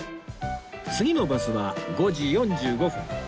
次のバスは５時４５分